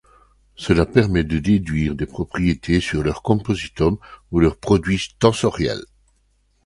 Cela permet de déduire des propriétés sur leur compositum ou leur produit tensoriel.